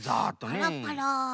パラパラ。